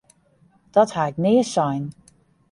Dat ha ik nea sein!